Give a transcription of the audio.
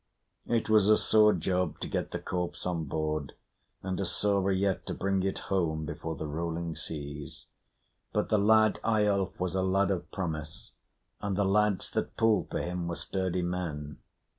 It was a sore job to get the corpse on board, and a sorer yet to bring it home before the rolling seas. But the lad Eyolf was a lad of promise, and the lads that pulled for him were sturdy men.